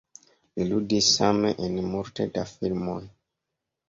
Li ludis same en multe da filmoj.